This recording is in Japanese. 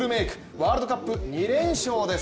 ワールドカップ２連勝です。